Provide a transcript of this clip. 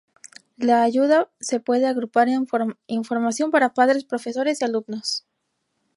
La ayuda se puede agrupar en información para padres, profesores y alumnos.